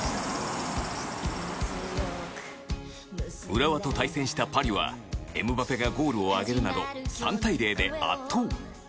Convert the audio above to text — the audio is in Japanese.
浦和と対戦したパリはエムバペがゴールを挙げるなど３対０で圧倒。